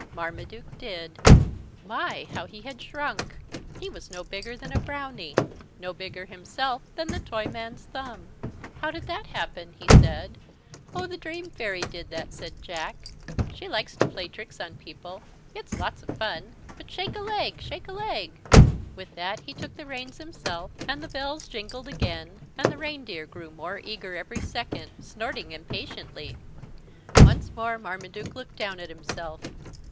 Marmaduke did. My, how he had shrunk! He was no bigger than a brownie, no bigger himself than the Toyman's thumb. "How did that happen?" he said, "Oh, the dream fairy did that," said Jack. "She likes to play tricks on people. It's lots of fun. But shake a leg, shake a leg!" With that he shook the reins himself, and the bells jingled again, and the reindeer grew more eager every second, snorting impatiently. Once more Marmaduke looked down at himself.